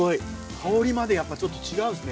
香りまでちょっと違うんですね